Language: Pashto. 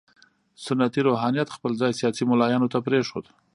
سنتي روحانیت خپل ځای سیاسي ملایانو ته پرېښود.